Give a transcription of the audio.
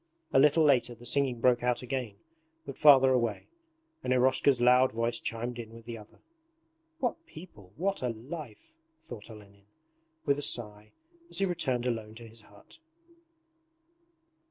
A little later the singing broke out again but farther away, and Eroshka's loud voice chimed in with the other. 'What people, what a life!' thought Olenin with a sigh as he returned alone to his hut.